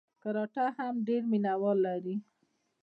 کراته هم ډېر مینه وال لري.